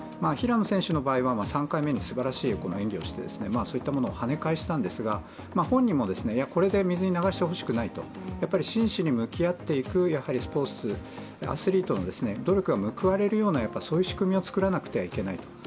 平野選手の場合は３回目にすばらしい演技をしてそういったものを跳ね返したんですが、本人もこれで水に流してほしくないと真摯に向き合っていくスポーツ、アスリートの努力が報われるようなそういう仕組みを作らなくてはいけない。